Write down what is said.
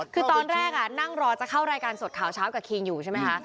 คือตอนแรกนั่งรอจะเข้ารายการสดข่าวเช้ากับคิงอยู่ใช่ไหมคะ